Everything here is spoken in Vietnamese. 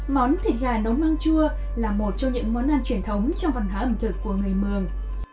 món thịt gà nấm măng chua là một trong những món ăn truyền thống trong văn hóa ẩm thực của người mường